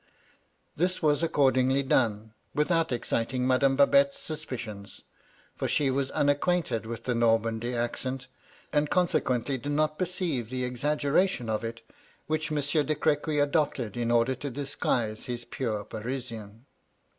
This was accordingly done, without exciting Madame Babette's suspicions, for she was unacquainted with the Normandy accent, and consequently did not perceiye the exag geration of it which Monsieur de Crequy adopted in order to disguise his pure Parisian.